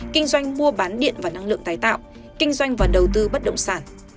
kinh doanh mua bán điện và năng lượng tái tạo kinh doanh và đầu tư bất động sản